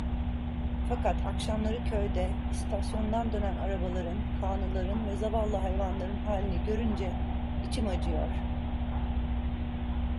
Fakat akşamları köyde, istasyondan dönen arabaların, kağnıların ve zavallı hayvanların halini görünce içim acıyor.